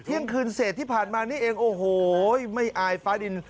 เที่ยงคืนเศษที่ผ่านมานี่เองโอ้โหไม่อายฟ้าดิน